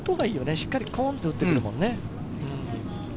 しっかりコンっと打ってくるもんね。